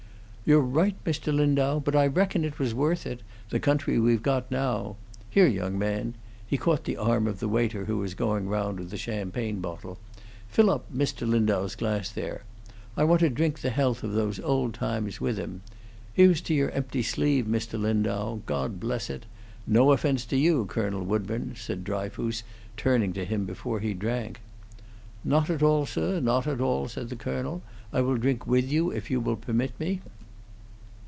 "You're right, Mr. Lindau. But I reckon it was worth it the country we've got now. Here, young man!" He caught the arm of the waiter who was going round with the champagne bottle. "Fill up Mr. Lindau's glass, there. I want to drink the health of those old times with him. Here's to your empty sleeve, Mr. Lindau. God bless it! No offence to you, Colonel Woodburn," said Dryfoos, turning to him before he drank. "Not at all, sir, not at all," said the colonel. "I will drink with you, if you will permit me."